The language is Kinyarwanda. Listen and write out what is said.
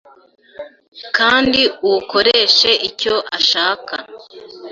kandi awukoreshe icyo ashaka.